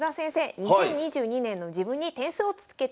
２０２２年の自分に点数をつけていただきました。